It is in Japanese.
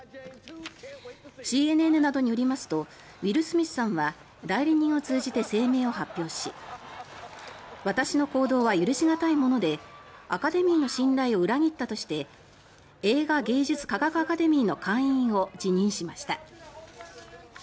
ＣＮＮなどによりますとウィル・スミスさんは代理人を通じて声明を発表し私の行動は許し難いものでアカデミーの信頼を裏切ったとして映画芸術科学アカデミーの会員を辞任しました。